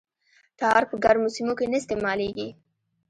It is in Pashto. ټار په ګرمو سیمو کې نه استعمالیږي